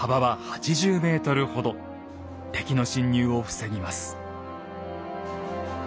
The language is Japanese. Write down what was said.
敵の侵入を防ぎます。